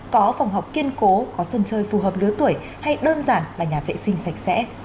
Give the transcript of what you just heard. có phòng học kiên cố có sân chơi phù hợp lứa tuổi hay đơn giản là nhà vệ sinh sạch sẽ